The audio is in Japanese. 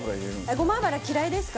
ごま油嫌いですか？